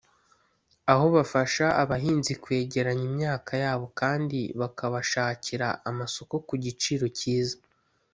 aho bafasha abahinzi kwegeranya imyaka yabo kandi bakabashakira amasoko ku giciro cyiza